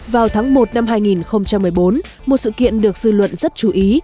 vào tháng một năm hai nghìn một mươi bốn một sự kiện được dư luận rất chú ý